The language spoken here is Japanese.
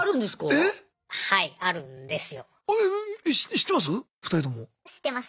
え知ってます？